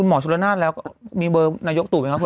หมอชนรนาศแล้วมีเบอร์นายกตุ๋มั้ยครับ